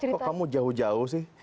kok kamu jauh jauh sih